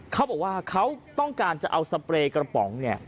เขาบอกว่าเขาต้องการจะเอาสเปรย์กระป๋องเนี่ย